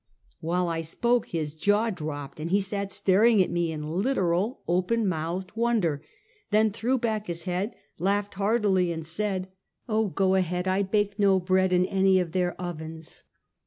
While I spoke, his jaw dropped and he sat staring at me in literal open mouthed wonder, then threw back his head, laughed heartily and said :" Oh, go ahead ! I bake no bread in any of their ovens!"